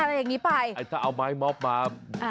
หากเอาไม้ม็อพมา